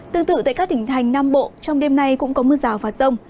tương tự tại các tỉnh thành nam bộ trong đêm nay cũng có mưa rào và rông